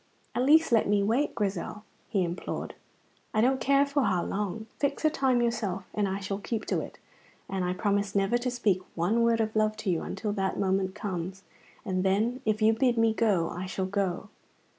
"At least let me wait, Grizel," he implored. "I don't care for how long; fix a time yourself, and I shall keep to it, and I promise never to speak one word of love to you until that time comes, and then if you bid me go I shall go.